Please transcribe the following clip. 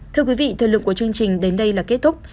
thưa quý vị thời lượng của chương trình đến đây là kết thúc